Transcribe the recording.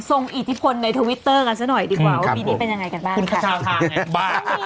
ทรงอิทธิพลในทวิตเตอร์กันซะหน่อยดีกว่าถึงครับผม